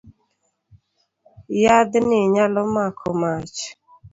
Yath ni nyalo mako mach.